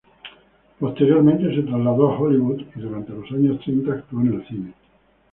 Posteriormente se trasladó a Hollywood, y durante los años treinta actuó en el cine.